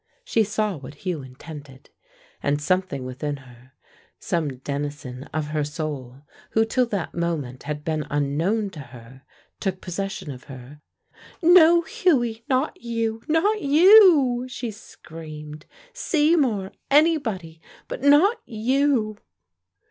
She saw what Hugh intended, and something within her, some denizen of her soul, who till that moment had been unknown to her, took possession of her. "No, Hughie, not you, not you," she screamed. "Seymour, anybody, but not you!"